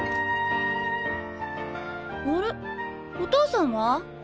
あれお父さんは？